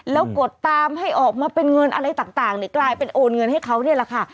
แล้วกดตามให้ออกมาเป็นเงินอะไรต่างกลายเป็นโอนเงินให้เขานี่แหละค่ะ